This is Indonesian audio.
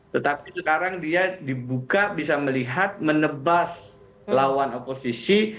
tetapi sekarang dia dibuka bisa melihat menebas lawan oposisi